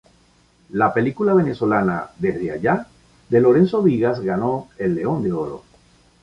La película venezolana "Desde allá", de Lorenzo Vigas, ganó el León de Oro.